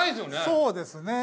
そうですね。